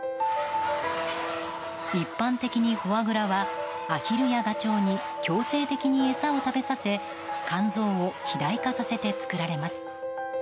一般的にフォアグラはアヒルやガチョウに強制的に餌を食べさせ肝臓を肥大化させて作られます。